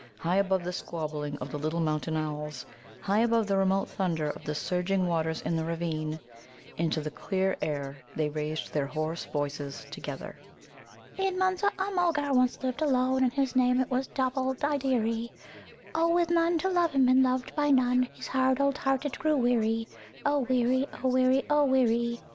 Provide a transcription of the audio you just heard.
High above the squabbling of the little Mountain owls, high above the remote thunder of the surging waters in the ravine, into the clear air they raised their hoarse voices together: "In Munza a Mulgar once lived alone, And his name it was Dubbuldideery, O; With none to love him, and loved by none, His hard old heart it grew weary, O, Weary, O weary, O weary.